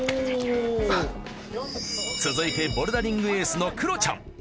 続いてボルダリングエースのクロちゃん。